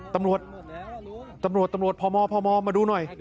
ตำรวจตำรวจตำรวจพ่อมอมาดูหน่อย